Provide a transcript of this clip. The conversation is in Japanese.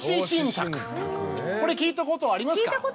聞いたことありますか？